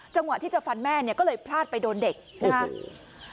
จังหวะที่จะฟันแม่เนี่ยก็เลยพลาดไปโดนเด็กนะครับ